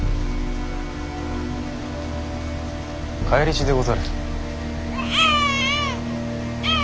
返り血でござる。